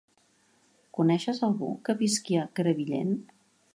Coneixes algú que visqui a Crevillent?